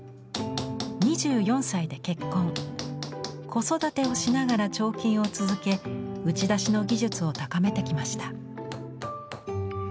子育てをしながら彫金を続け「打ち出し」の技術を高めてきました。